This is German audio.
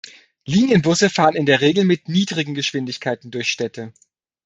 Linienbusse fahren in der Regel mit niedrigen Geschwindigkeiten durch Städte.